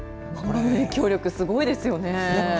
影響力、すごいですよね。